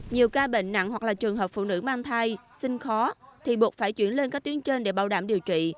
nhiều ca bệnh nặng hoặc là trường hợp phụ nữ mang thai sinh khó thì buộc phải chuyển lên các tuyến trên để bảo đảm điều trị